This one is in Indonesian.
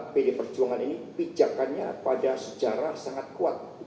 pd perjuangan ini pijakannya pada sejarah sangat kuat